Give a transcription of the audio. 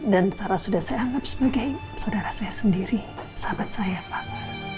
dan sarah sudah saya anggap sebagai saudara saya sendiri sahabat saya pak